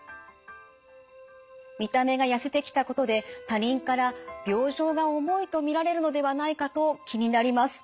見た目がやせてきたことで他人から病状が重いと見られるのではないかと気になります。